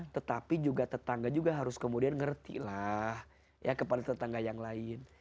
tetapi juga tetangga juga harus kemudian ngerti lah ya kepada tetangga yang lain